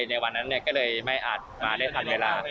ในวันนั้นก็เลยไม่อาจมาได้ทันเวลา